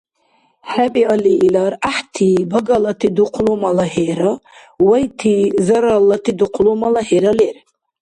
ХӀебиалли илар гӀяхӀти, багалати духълумала гьера, вайти, зараллати духълумала гьера лер.